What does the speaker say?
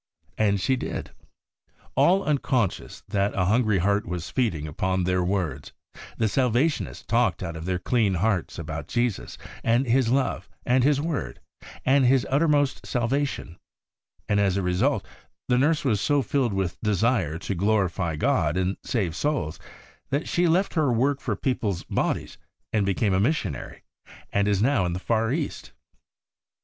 And she did. All unconscious that a hungry heart was feeding upon their words, the Salvationists talked out of their clean hearts about Jesus, and His love, and His HOLINESS AND UNCONSCIOUS INFLUENCE 47 word, and His uttermost Salvation, and as a result the nurse was so filled with desire to glorify God and save souls that she left her work for people's bodies, and became a missionary, and is now in the far East.